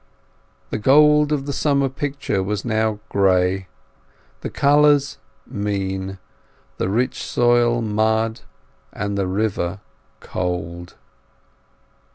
The gold of the summer picture was now gray, the colours mean, the rich soil mud, and the river cold.